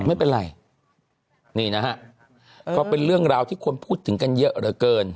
ไม่เป็นไรนี่นะฮะก็เป็นเรื่องราวที่คนพูดถึงกันเยอะเหลือเกิน